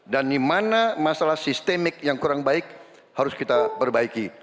dan dimana masalah sistemik yang kurang baik harus kita perbaiki